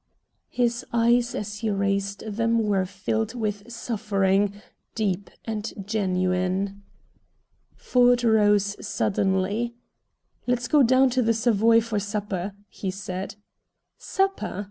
His eyes as he raised them were filled with suffering, deep and genuine. Ford rose suddenly. "Let's go down to the Savoy for supper," he said. "Supper!"